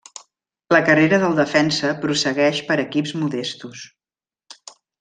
La carrera del defensa prossegueix per equips modestos.